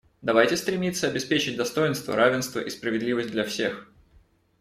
Давайте стремиться обеспечить достоинство, равенство и справедливость для всех.